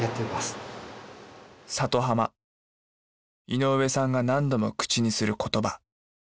井上さんが何度も口にする言葉。